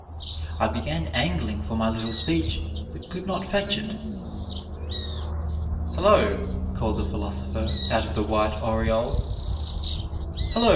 I began angling for my little speech, but could not fetch it. "Hello!" called the philosopher, out of the white aureole. "Hello!